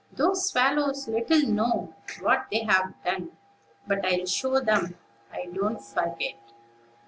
Those swallows little know what they have done; but I'll show them I don't forget.'"